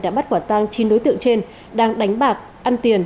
đã bắt quả tang chín đối tượng trên đang đánh bạc ăn tiền